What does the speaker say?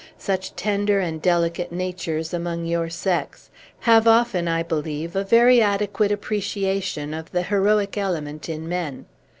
Such tender and delicate natures, among your sex, have often, I believe, a very adequate appreciation of the heroic element in men.